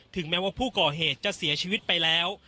แม้ว่าผู้ก่อเหตุจะเสียชีวิตไปแล้ว